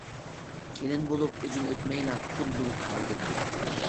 كېلىن بولۇپ ئۇزۇن ئۆتمەيلا تۇل بولۇپ قالدى.